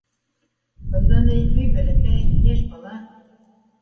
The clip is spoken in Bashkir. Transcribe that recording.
Бында ни... өй бәләкәй, йәш бала...